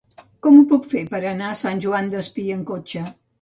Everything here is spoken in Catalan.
Com ho puc fer per anar a Sant Joan Despí amb cotxe?